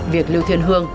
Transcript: việc lưu thiên hương